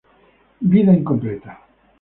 Vida incompleta.